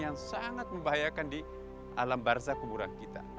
yang sangat membahayakan di alam barza kuburan kita